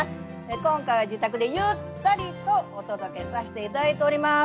今回は自宅でゆったりとお届けさせていただいております。